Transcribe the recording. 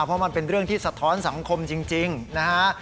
เพราะมันเป็นเรื่องที่สะท้อนสังคมจริงนะฮะ